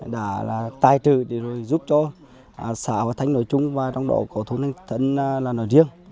đã tài trừ giúp cho xã và thanh nội chung và trong đó có thôn thanh thân là nội riêng